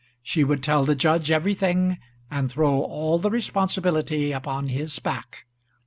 She would tell the judge everything, and throw all the responsibility upon his back.